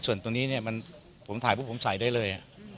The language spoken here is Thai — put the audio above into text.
ส่วนตัวนี้เนี่ยผมถ่ายปุ๊บผมใส่ได้เลย